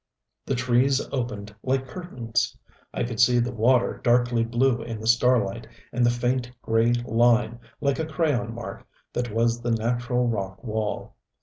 The trees opened, like curtains: I could see the water darkly blue in the starlight, and the faint, gray line, like a crayon mark, that was the natural rock wall.